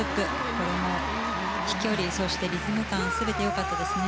これも飛距離、そしてリズム感全てよかったですね。